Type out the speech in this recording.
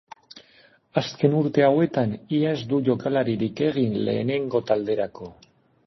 Azken urte hauetan ia ez du jokalaririk egin lehenengo talderako.